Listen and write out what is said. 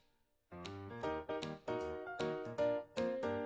はい。